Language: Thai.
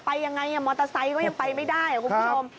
ไปยังไงมอเตอร์ไซค์ก็ยังไปไม่ได้คุณผู้ชม